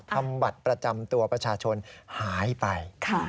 ทำบัตรประจำตัวประชาชนหายไป